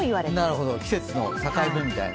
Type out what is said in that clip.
なるほど、季節の境目みたいな。